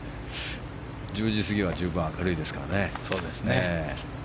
１０時過ぎは十分明るいですからね。